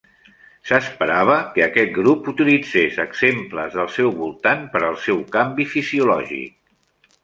S'esperava que aquest grup utilitzés exemples del seu voltant per al seu canvi fisiològic.